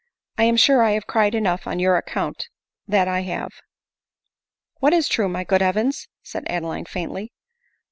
I am sure I have cried enough on your account, that I have." " What is true, ray good Evans ?" said Adeline faintly.